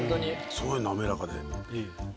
すごい滑らかで。